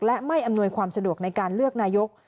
และไม่อำนวยความสะดวกในการเลือกนายก